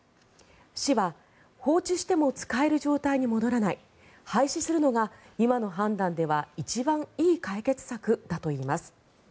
市は、放置しても使える状態に戻らない廃止するのが、今の判断では一番いい解決策だといいます。